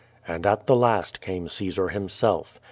And at the last came Caesar himself.